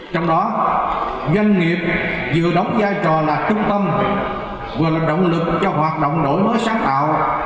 trong đó doanh nghiệp vừa đóng giai trò là trung tâm vừa là động lực cho hoạt động đổi mới sáng tạo